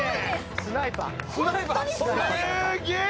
スナイパー。